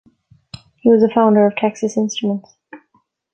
He was a founder of Texas Instruments.